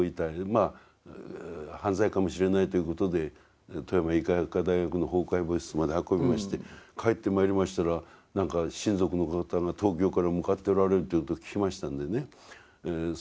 まあ犯罪かもしれないということで富山医科薬科大学の法解剖室まで運びまして帰ってまいりましたら何か親族の方が東京から向かっておられるということを聞きましたんでね